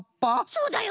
そうだよ。